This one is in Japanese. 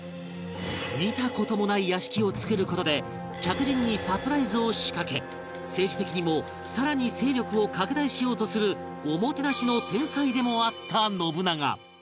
見た事もない屋敷を造る事で客人にサプライズを仕掛け政治的にも更に勢力を拡大しようとするおもてなしの天才でもあった信長